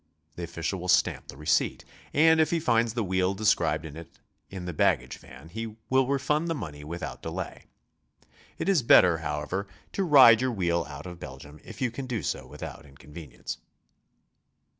The 'official will stamp the receipt, and if he finds the wheel described in it in the baggage van, will refund the money without delay. It is better, however, to ride your wheel out of Belgium if you can do so without inconvenience.